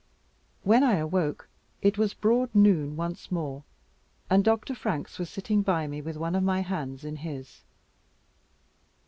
When I awoke, it was broad noon once more, and Dr. Franks was sitting by me with one of my hands in his.